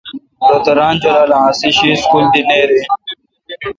روتہ ران جولال اؘ اسی شی سکول دی نیر این۔